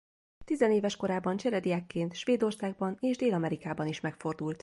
Tizenéves korában cserediákként Svédországban és Dél-Amerikában is megfordult.